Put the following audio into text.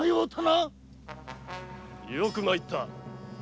よく参った。